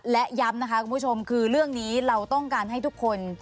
และย้ำนะคะคุณผู้ชมคือเรื่องนี้เราต้องการให้ทุกคน